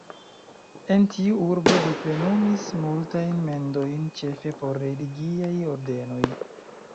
En tiu urbo li plenumis multajn mendojn, ĉefe por religiaj ordenoj.